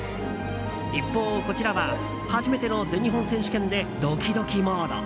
一方、こちらは初めての全日本選手権でドキドキモード。